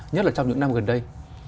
nhất là trong những năm gần đây